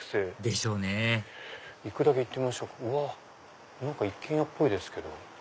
でしょうね行くだけ行ってみましょうか一軒家っぽいですけど。